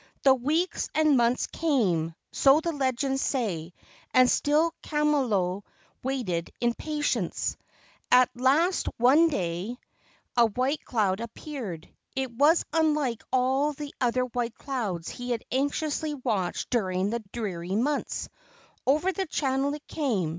The weeks and the months came, so the legends say, and still Kamalo waited in patience. At last one day KAUHUHU, THE SHARK GOD OF MOLOKAI 57 a white cloud appeared. It was unlike all the other white clouds he had anxiously watched dur¬ ing the dreary months. Over the channel it came.